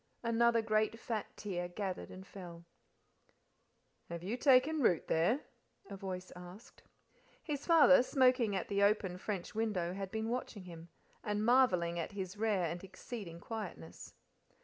Another great fat tear gathered and fell. "Have you taken root there?" a voice asked. His father, smoking at the open french window, had been watching him, and marvelling at his rare and exceeding quietness.